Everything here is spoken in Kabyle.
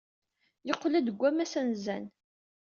Yeqqel-d seg wammas anezzan.